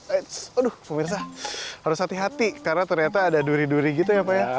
aduh pemirsa harus hati hati karena ternyata ada duri duri gitu ya pak ya